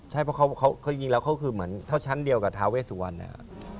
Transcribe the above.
ใช่เพราะเขาจริงแล้วเขาคือเหมือนเท่าชั้นเดียวกับทาเวสุวรรณนะครับ